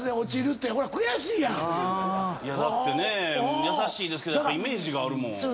だってね優しいですけどやっぱイメージがあるもん。